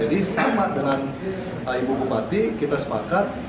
jadi sama dengan ibu bupati kita sepakat